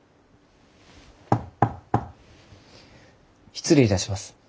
失礼いたします。